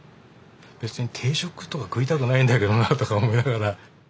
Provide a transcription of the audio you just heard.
「別に定食とか食いたくないんだけどな」とか思いながら。